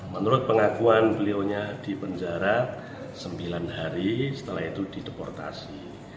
menurut pengakuan beliaunya di penjara sembilan hari setelah itu dideportasi